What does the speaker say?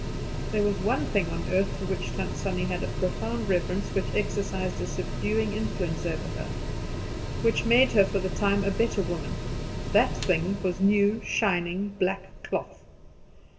There was one thing on earth for which Tant Sannie had a profound reverence, which exercised a subduing influence over her, which made her for the time a better woman that thing was new, shining black cloth.